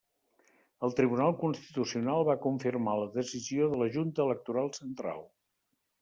El Tribunal Constitucional va confirmar la decisió de la Junta Electoral Central.